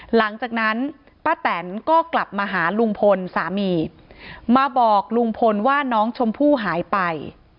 หลังจากนั้นป้าแตนก็กลับมาหาลุงพลสามีมาบอกลุงพลว่าน้องชมพู่หายไป